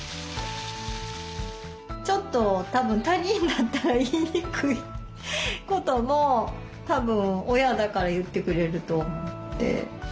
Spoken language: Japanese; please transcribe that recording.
ちょっと他人だったら言いにくいこともたぶん親だから言ってくれると思って。